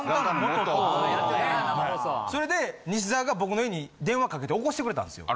それで西澤が僕の家に電話かけて起こしてくれたんですよ。